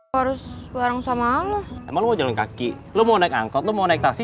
harus bareng sama allah emang mau jalan kaki lu mau naik angkot mau naik taksi